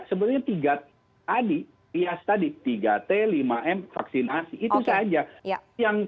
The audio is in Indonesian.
sebenarnya tiga tadi rias tadi tiga t lima m vaksinasi itu saja